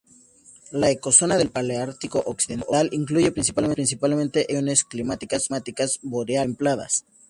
La ecozona del Paleártico Occidental incluye principalmente ecorregiones climáticas boreales y templadas.